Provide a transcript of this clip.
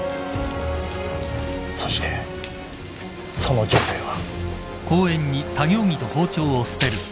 そしてその女性は。